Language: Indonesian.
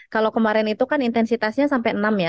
kalau kemarin itu kan intensitasnya sampai enam ya